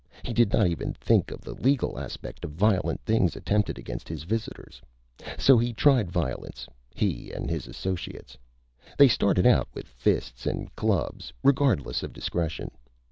He did not even think of the legal aspect of violent things attempted against his visitors. So he tried violence he and his associates. They started out with fists and clubs, regardless of discretion.